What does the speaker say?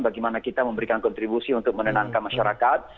bagaimana kita memberikan kontribusi untuk menenangkan masyarakat